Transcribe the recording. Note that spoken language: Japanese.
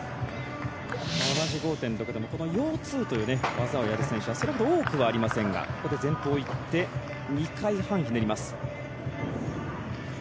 同じ５．６でもヨー２という技をやる選手はそれほど多くありませんが前方にいって２回半ひねります。